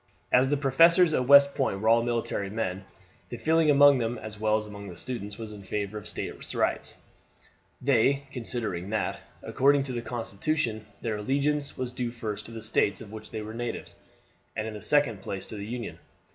As the professors at West Point were all military men, the feeling among them, as well as among the students, was in favor of State rights; they considering that, according to the constitution, their allegiance was due first to the States of which they were natives, and in the second place to the Union.